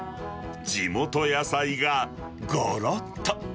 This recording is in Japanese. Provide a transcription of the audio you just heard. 地元野菜がごろっと。